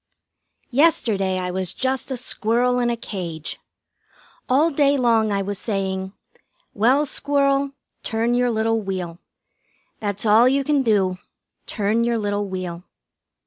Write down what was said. Yesterday I was just a squirrel in a cage. All day long I was saying: "Well, Squirrel, turn your little wheel. That's all you can do; turn your little wheel."